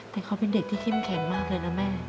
แต่เขาเป็นเด็กที่เข้มแข็งมากเลยนะแม่